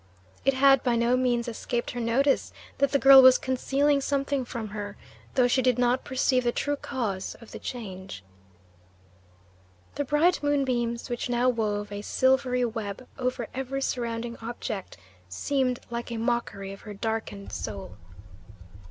It had by no means escaped her notice that the girl was concealing something from her, though she did not perceive the true cause of the change. The bright moonbeams, which now wove a silvery web over every surrounding object, seemed like a mockery of her darkened soul.